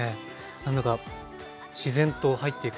何だか自然と入っていく感じが。